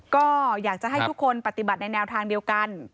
ก็อยากจะให้ทุกคนปฏิบัติในแนวทางเดียวกัน